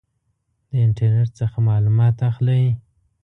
د انټرنټ څخه معلومات اخلئ؟